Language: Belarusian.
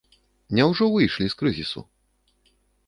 Няўжо выйшлі з крызісу?